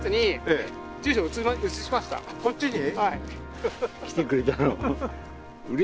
こっちに？